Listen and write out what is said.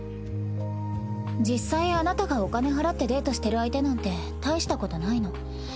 実際あなたがお金払ってデートしてる相手なんて大したことないの。